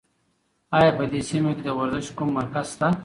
ایا په دې سیمه کې د ورزش کوم مرکز شته؟